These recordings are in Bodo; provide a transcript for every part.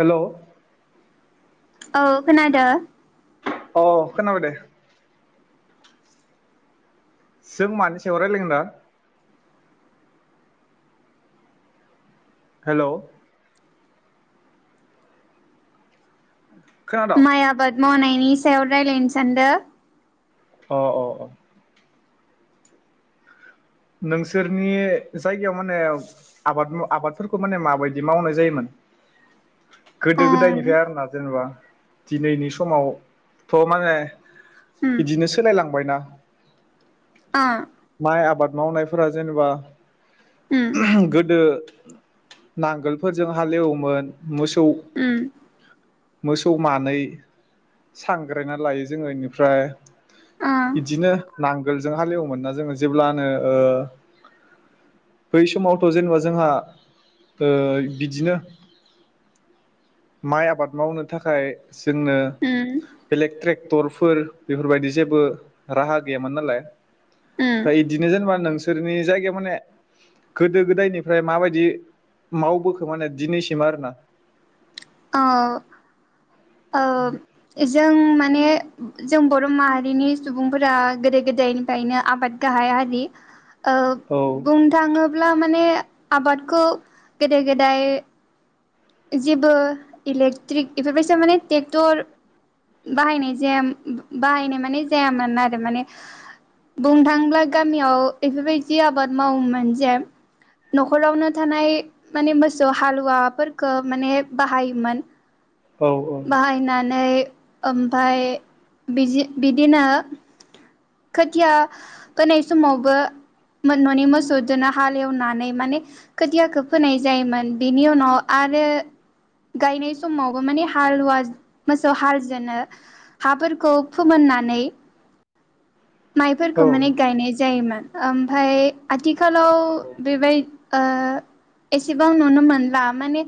हेलव औ खोनादो। अ खोनाबाय दे जों मानि सायाव रायलायगोन दा? हेल' [unintelligible] माय आबाद मावनाय। नि सायाव रायलायनो सानदों। अ अ औ। नोंसोरनि जायगायाव माने आबाद आबादफोरखौ माने माबायदि मावनाय जायोमोन। गोदो ओं गोदायनिफ्राय आरोना जेनेबा। दिनैनि समावथ' माने उम बिदिनो सोलायलांबायना ओ माइ आबाद। मावनायफोरा जेनेबा उम गोदो नांगोलफोरजों हालेवोमोन मोसौ उम मोसौ मानै। सांग्रायना लायो जोङो इनिफ्राय। ओ बिदिनो नांगोलजों हालेव मोनना जोङो जेब्ला। नो ओ बै समावथ' जेनेबा जोंहा ओ बिदिनो माइ आबाद मावनो थाखाय। जोंनो उम बेलेक ट्रेक्टरफोर बेफोरबायदि जेबो राहा गैयामोन नालाय उम फ्रायद नोंसोरनि जायगायाव माने गोदो गोदायनिफ्राय माबायदि मावबोखो माने दिनैसिम आरोना। अ ओ एज जों माने जों बर' माहारिनि सुबुंफोरा गोदो गोदायनिफ्रायनो आबाद गाहाय आरि। ओ औ बुंनो थाङोब्ला माने आबादखौ गोेदो गोेदाय जेबो इलेक्ट्रिक इफोरबायसा माने ट्रेक्टर बाहायनाय जाया बाहायनाय माने जायामोन आरो माने बुंनो थाङोब्ला गामियाव इफोरबायदि आबाद मावोमोन जे न'खरावनो थानाय माने मोसौ हालुवाफोर खो माने बाहायोमोन। औ बाहायनानै ओमफाय बिजि बिदिनो खोथिया फोनाय समावबो मोन न'नि मोसौदोनो हाल हेवनानै माने खोथियाखो फोनाय जायोमोन बेनि उनाव आरो गायनाय समावबो माने हालुवा मोसौ हाल जोनो हाफोरखौ फोमोननानै औ माइफोरखौ माने गायनाय जायोमोन। ओमफाय आथि खालाव बेबाय ओ एसेबां नुनो मोनला माने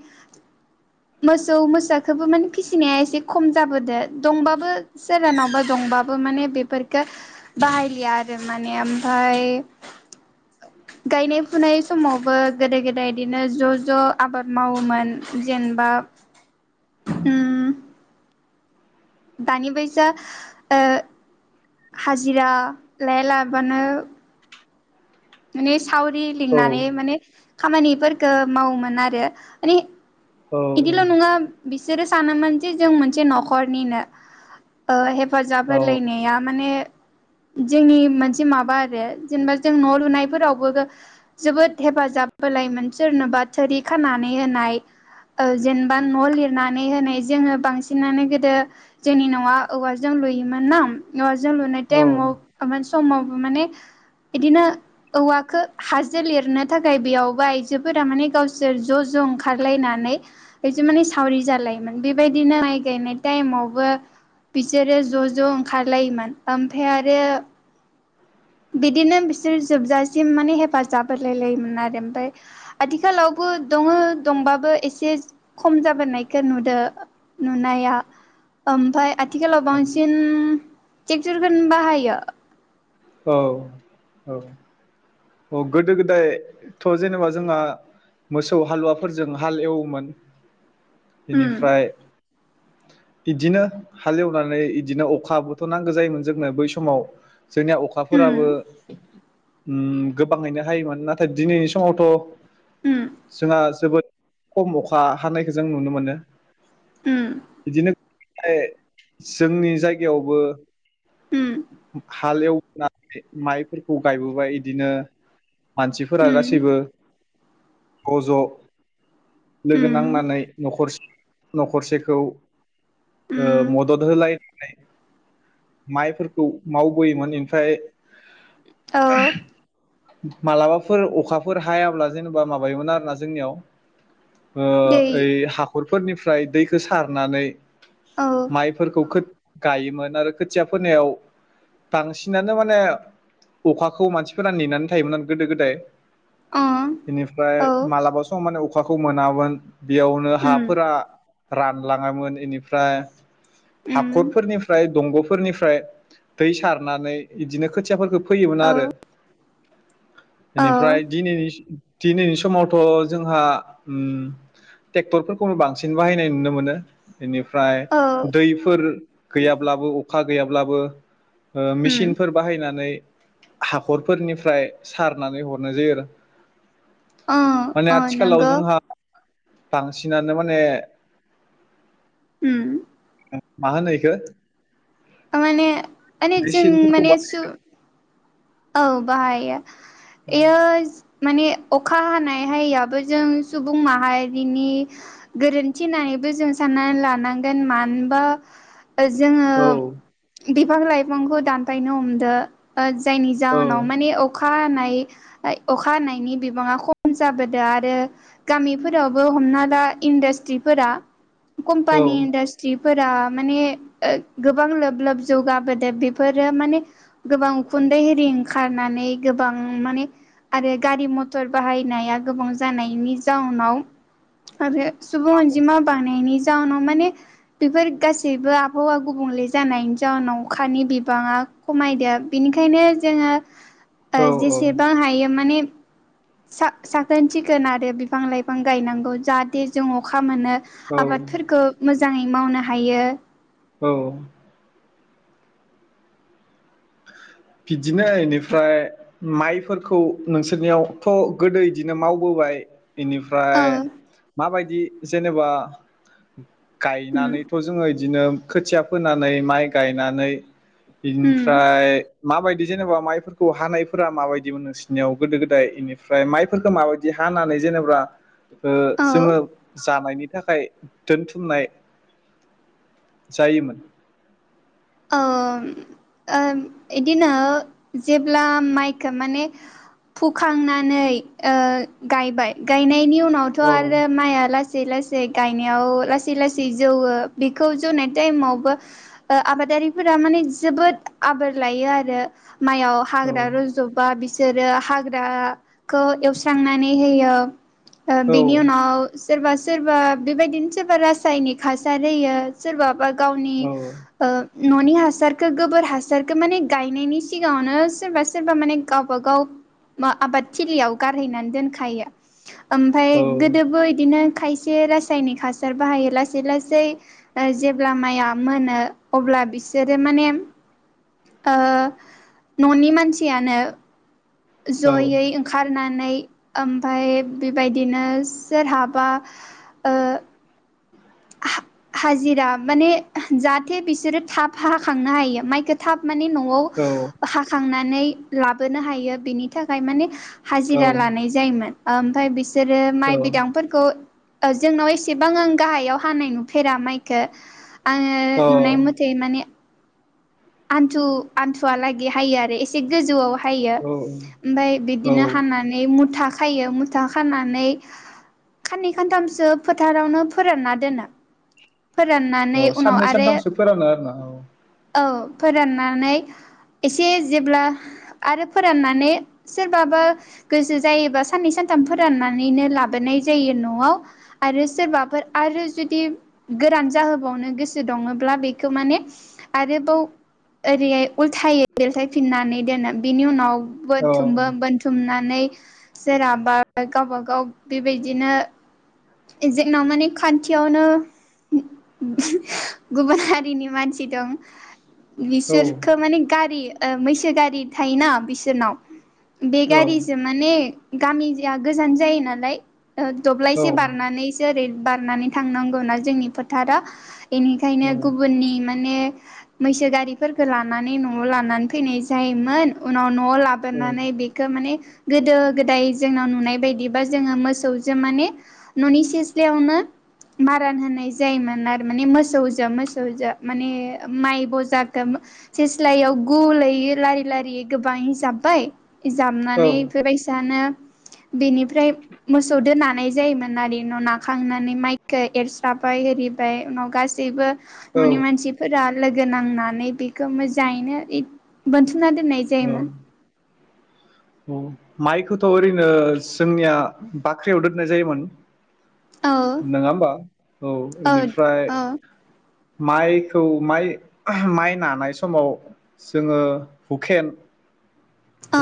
मोसौ मोसाखौबो माने फिसिनाया एसे खम जाबोदो। दंबाबो सोरहानावबा दंबाबो माने बेफोरफोरखो बाहायलिया आरो माने ओमफाय गायनाय फुनाय समावबो गोदो गोदाय इदिनो ज' ज' आबाद मावोमोन जेन अ उम। दानि बैसा ओ हाजिरा लाया लाबानो माने सावरि औ लिंनानै माने खामानिफोरखो मावोमोन आरो माने औ बिदिल' नङा बिसोरो सानोमोन जे जों मोनसे न'खरनिनो ओ हे हेफाजाब औ होलायनाया माने जोंनि मोनसे माबा आरो जेनेबा जों न' लुनायफोरावबो जोबोद हेफाजाब होलायोन सोरनोबा थोरि खानानै होनाय ओ जेनेबा न' लिरनानै होनाय जोङो बांसिनानो गोदो जोंनि न'आ औवाजों लुयोमोन ना ओ ज जों लुनाय थाइमाव मानसि समावबो माने इदिनो औवाखो हाजो लिरनो थाखाय बेयावबो आयजोफोरा माने गावसोर ज' ज' ओंखारलायनानै इदि माने सावरि जालायोमोन बेबायदिनो माइ गायनाय टाइमावबो बिसोरो ज' ज' ओंखारलायोमोन ओमफ्राय आरो बिदिनो बिसोर जोबजासिम माने हेफाजाब होलायलायोमोन आरो ओमफ्राय आथिखालावबो दङ दंबाबो एसे खम जाबोनायखो नुदो नुनाया ओमफाय आथिखालाव बांसिन ट्रेक्टरखोनो बाहायो। औ। अ गोदो गोदायथ' जेनेबा जोंहा मोसौ हालुवाफोरजों हाल एवोमोन। उम बेनिफ्राय बिदिनो हालेवनानै इदिनो अखाबोथ' नांगो जायोमोन जोंनो बै समाव। जोंनिया उम अखाफोराबो उम। गोबाङैनो हायोमोन नाथाय दिनैनि समावथ' उम जोंहा जोबोद खम अखा हानायखौ जों नुनो मोनो उम बिदिनो ए जोंनि जायगायावबो उम [inaudible] हाल एवोनानै माइफोरखौ गायबोबाय इदिनो मानसिफोरा उम गासैबो गज' लोगो उम नांनानै न'खरसे न'खरसेखौ ओ उम मददहोलाइ माइफोरखौ मावबोयोमोन ओफ्राय औ मालाबाफोर अखाफोर हायाब्ला जेनेबा माबायोमोन आरोना जोंनियाव ओ दै ओय हाखर फोरनिफ्राय दैखो सारनानै औ माइफोरखौ खो गायोमोन आरो खोथिया फोनायाव बांसिनानो माने अखाखौ मानसिफोरा नेनानै थायोमोन गोदो गोदाय। अ बेनिफ्राय औ मालाबा समाव माने अखाखौ मोनामोन बेयावनो उम हाफोरा रानलाङामोन एनिफ्राय उम हाखरफोरनिफ्राय दंग' फोरनिफ्राय दै सारनानै इदिनो खोथियाफोरखौ फोयोमोन औ आरो औ बेनिफ्राय दिनै दिनैनि समावथ' जोंहा ओम ट्रेक्टरफोरखौनो बांसिन बाहायनाय नुनो मोनो। बेनिफ्राय औ दैफोर गैयाब्लाबो अखा गैयाब्लाबो ओ उम मेसिनफोर बाहायनानै हाखरफोरनि सारनानै हरनाय जायो आरो, अ माने अ आथिखालाव नंगौ जोंहा बांसिनानो माने उम मा होनो इखो ओ माने माने जों मेचिनफोरखौ माने बा सु औ बाहायो इयो माने अखा हानाय हायिआबो जों सुबुं माहारिनि गोरोन्थि होननानैबो जों साननानै लानांगोन, मानोबा जोङो औ बिफां-लाइफांखौ दानफायनो हमदो जायनि औ जाहनाव माने अ खा हानाय अखा हानायनि बिबाङा खम जाबोदों आरो गामिफोरावबो हमना ला इन्डास्ट्रिफोरा औ कमपानि इनडास्ट्रि फोरा माने [unintelligible] गोबां लोब लोब जौगाबोदों। बेफोरो माने गोबां उखुन्दै आरि ओंखारनानै गोबां माने आरो गारि मथर बाहायनाया गोबां जानायनि जाउनाव आरो सुबुं अनजिमा बांनायनि जाउनाव माने बेफोर गासैबो आबहावा गुबुंले जानायनि जाउनाव अखानि बिबाङा खमायदों। बिनिखायनो, जोङो औ जेसेबां हायो माने सा-साखोन-सिखोन आरो बिफां-लाइफां गायनांगौ, जाहाथे जों अखा मोनो औ आबादफोरखौ मो जाङै मावनो हायो औ बिदिनो इनिफ्राय माइफोरखौ नोंसोरनियावथ' गोदो इदिनो मावबोबाय इनिफ्राय औ माबायदि जेनेबा उम गायनानैथ' जोङो बिदिनो खोथिया फोनानै माइ गायनानै उम [unintelligible] फ्राय माबायदि जेनेबा माइफोरखौ हानायफोरा माबायदिमोन नोंसिनियाव गोदो गोदाय बेनिफ्राय माइफोरखौ माबायदि हानानै जेनेबा ओ औ जोङो जानायनि थाखाय दोनथुमनाय जायोमोन ओ आम बिदिनो जेब्ला माइखो माने फुखांनानै गायबाय गायनायनि उनाव नावथ' औ आरो माइआ दा लासै लासै गायनायाव लासै लासै जौवो बेखौ जौनाय टाइमावबो ओ आबादारिफोरा माने जोबोद आबार लायो आरो माइआव औ हाग्रा रुज'बा बिस बिसोरो हाग्राखौ एवस्रांनानै होयो ओ औ बेनि उनाव सोरबा सोरबा बेबायदिनो सोरबा रासायनिक हासार होयो सोरबा बा गावनि औ न'नि हासारखौ गोबोर हासारखौ माने गायनायनि सिगाङावनो सोरबा सोरबा माने गावबा गाव आबाद थिलियाव गारहैनानै दोनखायो ओमफाय औ गोदोबो बिदिनो खायसे रासायनिक हासार बाहायो लासै लासै जेब्ला माइआ मोनो अब्ला बिसोरो माने ओ न'नि मानसियानो जयै औ ओंखारनानै ओमफाय बेबायदिनो सोरहाबा ओ हाजिरा माने जाहाथे बिसोरो थाब हाखांनो हायो माइखौ थाब मानि न'आव औ हाखांनाय नै लाबोनो हायो बेनि थाखाय माने हाजिरा औ लानाय जायोमोन ओमफाय बेस जेरै औ माइ बिदांफोरखौ जोंनाव एसेबां आं गाहायाव हानाय नुफेरा माइखौ आङो औ नुनाय मथे माने आन्थु आन्थुवलागै हायो आरो एसे गोजौआव हैयो औ ओमफाय औ बिदिनो हानानै मुथा खायो मुथा खानानै खाननै खानथामसो फोथारावनो फोरानना दोनो फोराननानै औ उनाव साननै आरो सानथामसो फोरानो आरोना औ औ। फोराननानै एसे जेब्ला आरो फोराननानै सोरबाबा गोसो जायोबा साननै सानथाम फोराननानैनो लाबोनाय जायो न'आव आरो सोरबाफोर आरो जुदि गोरान जाहोबावनो गोसो दङोला बेखौ माने आरोबाव ओरैहाय उल्थाय बेल्थायफिननानै दोनो बिनि उनाव औ बोनथुम बोनथुमनानै जेराबा गावबा गाव बेबायदिनो जोंनाव माने खान्थियावनो गुबुन हारिनि मानसि दं औ बिसोरखो माने गारि मैसो गारि थायोना बिसोरनाव औ बेगारिजो माने गामिया गोजान जायो नालाय ओ बारनानैसो ओ बारनानै थांनांगौनाा जोंनि फोथारा बेनिखायनो गुबुननि माने मैसो गारि लानानै न'आव लानानै फैनाय जायोमोन उनाव न'आव लाबोनानै बेखौ माने गोदो गोदाय जोंनाव नुनाय बायदिबा जोङो मोसौजों माने न'नि सिस्लायावनो मारान होनाय जायोमोन आरो माने मोसौजो मोसौजो माने माइ बजाखौ सिस्लायाव गुलैयो लारि लारियै गोबां जाबबाय औ जाबनानै औ बेफोर बायसानो बेनि ओमफ्राय मोसौ दोननानै जायोमोन आरो उनाव नाखांनानै माइखौ एरस्राबाय आरिबाय उनाव गासैबो न'नि मानसिफोरा लोगो नांनानै बेखौ मोजाङैनो बोनथुम [unintelligible] सोना दोननाय जायोमोन। माइखौथ' ओरैनो जोंनिया बाख्रियाव दोननाय जायोमोन। औ नङा होमबा औ इनिफ्राय औ माइखौ माइ माइ नानाय समाव जोङो उखेन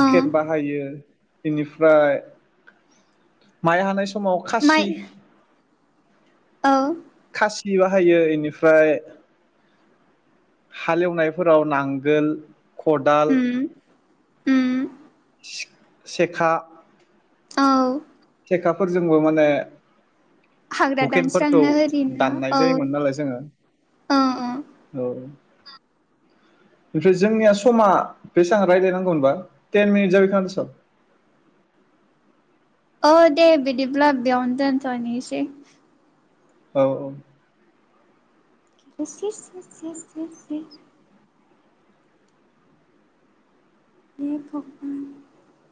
औ बाहायो। बेनिफ्राय माइ हानाय [unintelligible] समाव माइ खासि औ। खासि बाहायो इनिफ्राय हालेवनायफोराव नांगोल खदाल उम उम सेखा औ सेेखाफोरजोंबो माने हाग्रा हुकेनफोरखौ दानस्रांनो ओरिनो औ दाननाय जायोमोन नालाय जोङो औ औ औ जोंनिया समा बेसेबां रायलायनांगौ होमबा थेन मिनिट जायोखोमा दिसय औ दे बिदिब्ला बेयावनो दोनथ'निसै औ औ [unintelligible] [unintelligible]